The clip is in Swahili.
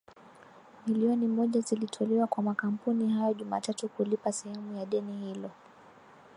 milioni moja zilitolewa kwa makampuni hayo Jumatatu kulipa sehemu ya deni hilo